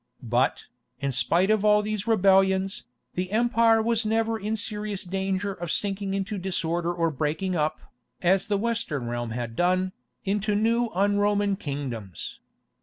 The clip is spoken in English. But, in spite of all these rebellions, the empire was never in serious danger of sinking into disorder or breaking up, as the Western realm had done, into new un Roman kingdoms.